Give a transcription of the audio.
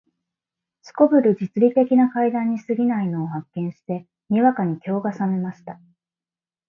頗る実利的な階段に過ぎないのを発見して、にわかに興が覚めました